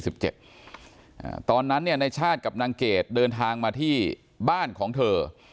เพราะฉะนั้นในชาติกับนางเกดเดินทางมาที่บ้านของเธอ